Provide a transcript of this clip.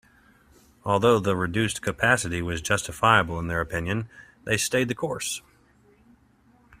Although the reduced capacity was justifiable in their opinion, they stayed the course.